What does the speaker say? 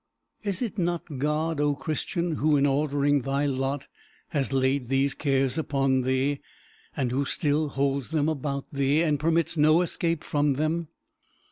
Is it not God, O Christian, who, in ordering thy lot, has laid these cares upon thee, and who still holds them about thee, and permits no escape from them?